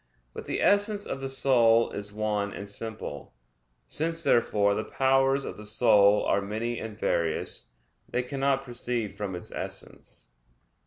But the essence of the soul is one and simple. Since, therefore, the powers of the soul are many and various, they cannot proceed from its essence.